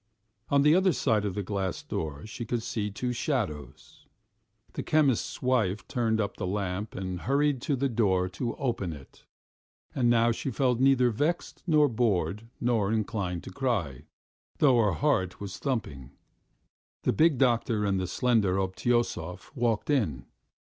On the other side of the glass door she could see two shadows. The chemist's wife turned up the lamp and hurried to the door to open it, and now she felt neither vexed nor bored nor inclined to cry, though her heart was thumping. The big doctor and the slender Obtyosov walked in.